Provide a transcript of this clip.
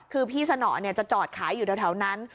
คือพี่สนอจะจอดขายอยู่แถวนั้น